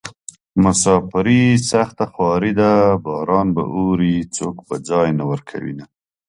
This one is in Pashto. مساپري سخته خواري ده باران به اوري څوک به ځای نه ورکوينه